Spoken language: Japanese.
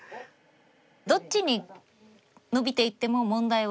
どっちにノビていっても問題は。